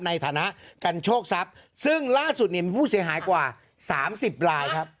ในฐานะกันโชคทรัพย์ซึ่งล่าสุดเนี่ยมีผู้เสียหายกว่าสามสิบรายครับ